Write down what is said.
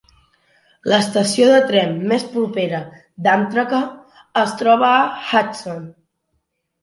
L'estació de tren més propera d'Amtrak es troba a Hudson.